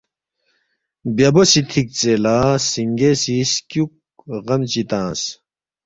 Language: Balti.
بیہ بوسی تِھک ژے لہ سِنگے سی سکیُوک غم چی تنگس